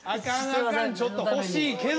ちょっと欲しいけど。